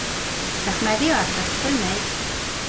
Әхмәҙи артыҡ көлмәй.